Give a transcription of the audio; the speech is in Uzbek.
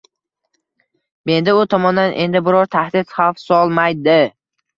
Menga u tomondan endi biror tahdid xavf solmaydi.